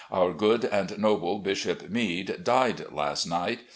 Our good and noble Bishop Meade died last night.